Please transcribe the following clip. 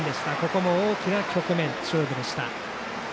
ここも大きな局面、勝負でした。